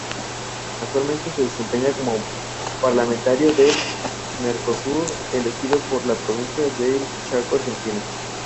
Cuenta con tres pequeñas historias sacadas del original novela y manga.